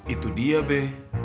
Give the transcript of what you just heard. itu dia be